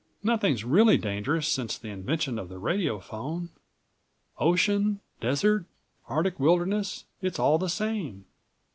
"Nothing's really dangerous since the invention of the radiophone. Ocean, desert, Arctic wilderness; it's all the same.